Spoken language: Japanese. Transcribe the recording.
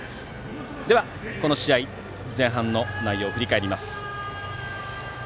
では、この試合の前半の内容を振り返ります。